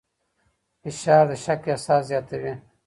فشار د شک احساس زیاتوي.